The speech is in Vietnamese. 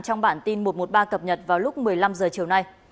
trong bản tin mùa một ba cập nhật vào lúc một mươi năm h chiều nay